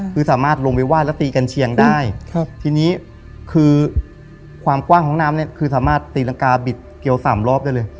คือสามารถลงไปไห้แล้วตีกันเชียงได้ครับทีนี้คือความกว้างของน้ำเนี่ยคือสามารถตีรังกาบิดเกียวสามรอบได้เลย